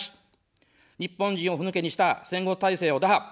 日本人をふぬけにした戦後体制を打破。